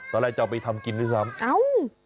ตอนแรกเจ้าไปทำกินด้วยซ้ำเอ้า